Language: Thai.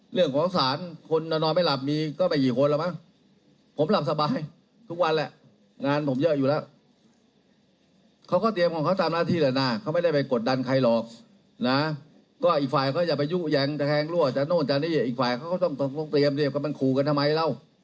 เดี๋ยวฟังเสียงท่านนายกพูดถึงเรื่องนี้หน่อยนะคะ